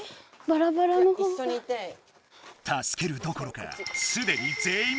助けるどころかすでにぜんいん